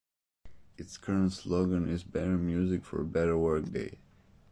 Its current slogan is Better Music For a Better Workday.